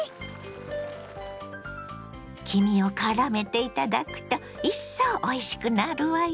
黄身をからめていただくと一層おいしくなるわよ。